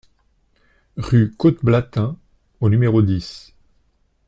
Rue Côte Blatin au numéro dix